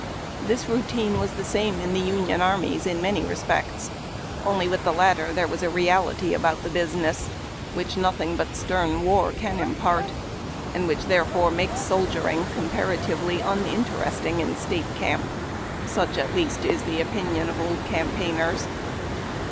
This routine was the same in the Union armies in many respects, only with the latter there was a reality about the business, which nothing but stern war can impart, and which therefore makes soldiering comparatively uninteresting in State camp — such, at least, is the opinion of old campaigners.